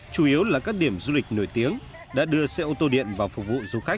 chủ yếu là các điểm du lịch nổi tiếng đã đưa xe ô tô điện vào phục vụ